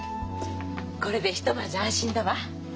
これでひとまず安心だわ。